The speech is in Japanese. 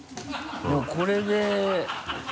これで。